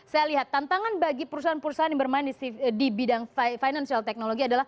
saya lihat tantangan bagi perusahaan perusahaan yang bermain di bidang financial technology adalah